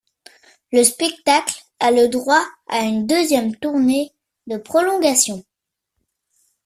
Le spectacle a le droit à une deuxième tournée de prolongations.